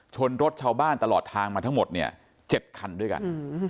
ชนรถชาวบ้านตลอดทางมาทั้งหมดเนี่ย๗คันด้วยกัน